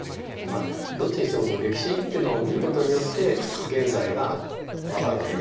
どっちにしてもその歴史っていうのを見ることによって現在が分かるわけですよ。